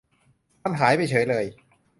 มันหายไปเฉยเลย